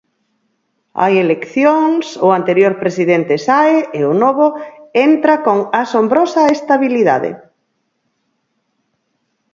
Hai eleccións, o anterior presidente sae e o novo entra con asombrosa estabilidade.